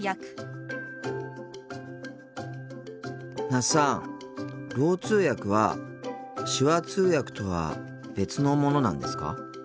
那須さんろう通訳は手話通訳とは別のものなんですか？